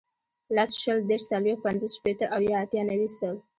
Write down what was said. لس, شل, دېرش, څلوېښت, پنځوس, شپېته, اویا, اتیا, نوي, سل